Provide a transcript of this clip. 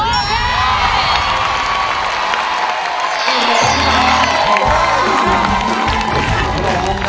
เปรียบความรักที่เหมือนมน